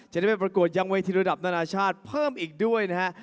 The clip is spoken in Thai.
จะได้ไปประกวดยังเวทีระดับนานาชาติเพิ่มอีกด้วยนะฮะ